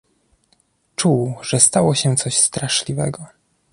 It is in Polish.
Czuł, że stało się coś straszliwego.